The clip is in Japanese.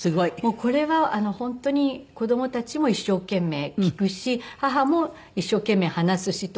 これは本当に子供たちも一生懸命聞くし母も一生懸命話すしって。